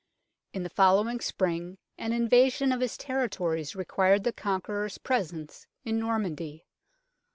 In the following spring an invasion of his territories required the Conqueror's presence in Normandy.